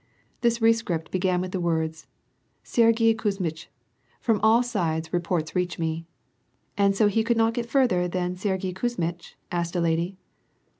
This rescript began with these words :" Sergyei Kuzmitch : From all sidesy reports reach we," —" And so he could not get further than * Sergyei Kuzmitch '?" asked a lady.